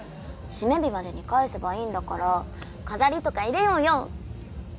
締め日までに返せばいいんだから飾りとか入れようよ。